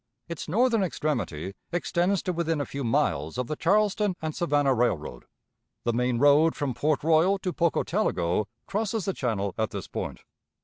Its northern extremity extends to within a few miles of the Charleston and Savannah Railroad. The main road from Port Royal to Pocotaligo crosses the channel at this point.